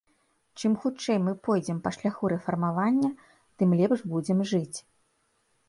Чым хутчэй мы пойдзем па шляху рэфармавання, тым лепш будзем жыць.